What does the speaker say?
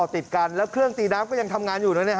เตรียง